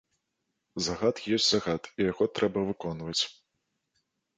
Загад ёсць загад і яго трэба выконваць.